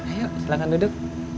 ayo silahkan duduk